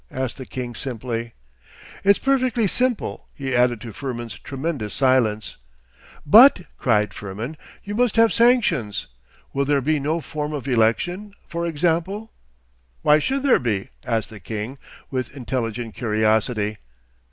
asked the king simply. 'It's perfectly simple,' he added to Firmin's tremendous silence. 'But,' cried Firmin, 'you must have sanctions! Will there be no form of election, for example?' 'Why should there be?' asked the king, with intelligent curiosity.